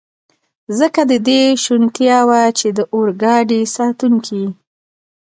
ځکه د دې شونتیا وه، چې د اورګاډي ساتونکي.